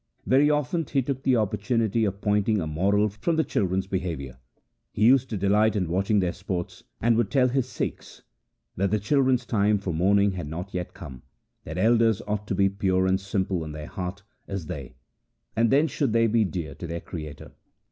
Very often he took the opportunity of pointing a moral from the children's behaviour. He used to delight in watching their sports, and would tell his Sikhs that the children's time for mourning had not yet come, that elders ought to be pure and simple in heart as they, and then should they be dear to their Creator.